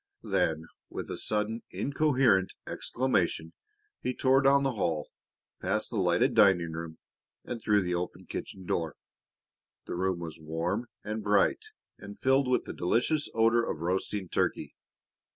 Then, with a sudden, incoherent exclamation, he tore down the hall, past the lighted dining room, and through the open kitchen door. The room was warm and bright, and filled with the delicious odor of roasting turkey.